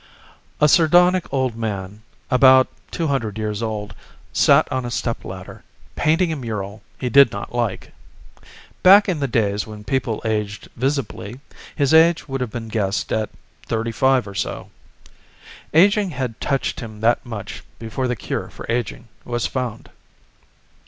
A sardonic old man, about two hundred years old, sat on a stepladder, painting a mural he did not like. Back in the days when people aged visibly, his age would have been guessed at thirty five or so. Aging had touched him that much before the cure for aging was found.